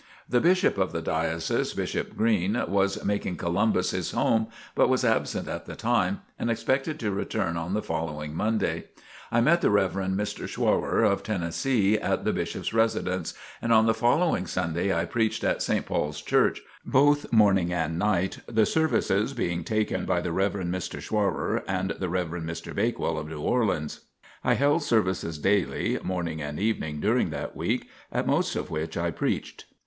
The Bishop of the Diocese, Bishop Green, was making Columbus his home, but was absent at the time and expected to return on the following Monday. I met the Rev. Mr. Schwrar, of Tennessee, at the Bishop's residence, and on the following Sunday I preached at St. Paul's Church, both morning and night, the services being taken by the Rev. Mr. Schwrar and the Rev. Mr. Bakewell of New Orleans. I held services daily, morning and evening, during that week, at most of which I preached.